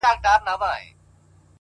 گلاب جانانه ته مي مه هېروه;